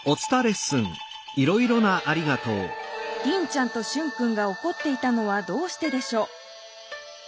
リンちゃんとシュンくんがおこっていたのはどうしてでしょう？